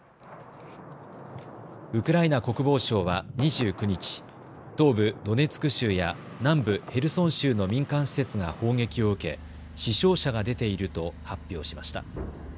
ウクライナ国防省は２９日、東部ドネツク州や南部ヘルソン州の民間施設が砲撃を受け死傷者が出ていると発表しました。